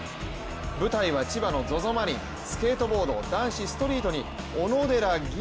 舞台は千葉のＺＯＺＯマリン、スケートボード男子ストリートに小野寺吟